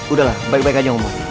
udahlah baik baik aja ngomong